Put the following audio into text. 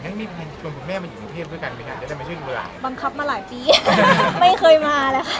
แล้วก็ยิดป้าขาดพี่เลี้ยงหรืออะไรเพิ่มใหม่ค่ะ